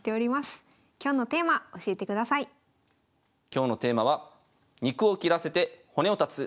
今日のテーマは「肉を切らせて骨を断つ」。